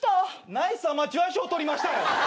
ナイスアマチュア賞取りました。